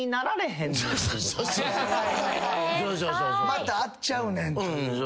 また会っちゃうねんという。